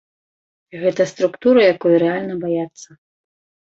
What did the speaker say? Гэта структура, якой рэальна баяцца.